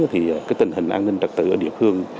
thì cái tình hình an ninh trật tự ở địa phương